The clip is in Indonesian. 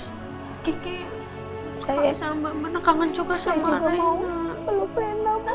kike kami sama reina kangen juga sama reina